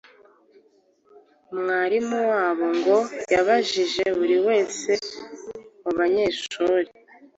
mwarimu wabo ngo yabajije buri wese mu banyeshuri